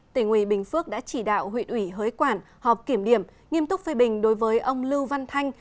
tỉnh ủy bình phước đã chỉ đạo huyện ủy hới quản họp kiểm điểm nghiêm túc phê bình đối với ông lưu văn thanh